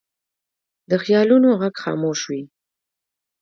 د خیالونو غږ خاموش وي